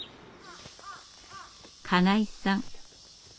金井さん。